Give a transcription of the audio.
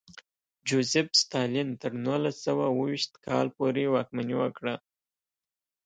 جوزېف ستالین تر نولس سوه اوه ویشت کال پورې واکمني وکړه.